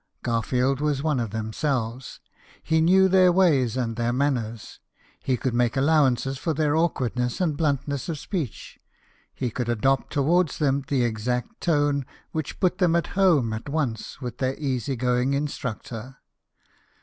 Garfield was one of themselves ; he knew JAMES GARFIELD, CANAL BOY. 151 their ways and their manners ; he could make allowances for their awkwardness and bluntness of speech ; he could adopt towards them the exact tone which put them at home at once with their easy going instructor.